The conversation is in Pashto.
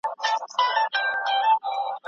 پوهان به خپلې علمي تجربې بیا تکرار کړي.